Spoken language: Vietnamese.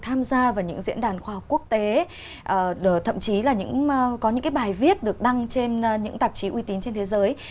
tham gia vào những diễn đàn khoa học quốc tế thậm chí là có những bài viết được đăng trên những tạp chí uy tín trên thế giới